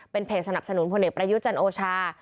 เพจสนับสนุนพลเอกประยุทธ์จันโอชา